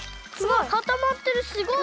かたまってるすごい！